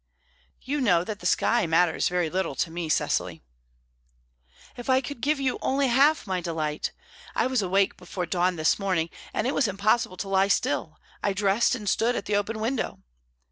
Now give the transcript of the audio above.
"You know that the sky matters very little to me, Cecily." "If I could give you only half my delight! I was awake before dawn this morning, and it was impossible to lie still. I dressed and stood at the open window.